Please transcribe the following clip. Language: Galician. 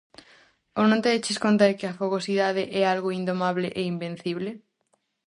Ou non te deches conta de que a fogosidade é algo indomable e invencible?